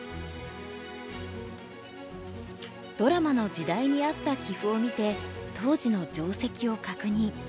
ドラマの時代に合った棋譜を見て当時の定石を確認。